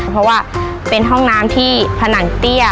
เพราะว่าเป็นห้องน้ำที่ผนังเตี้ย